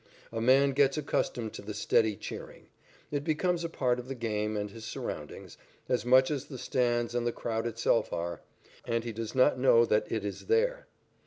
A man gets accustomed to the steady cheering. It becomes a part of the game and his surroundings, as much as the stands and the crowd itself are, and he does not know that it is there.